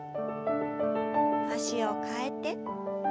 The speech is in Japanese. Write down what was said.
脚を替えて。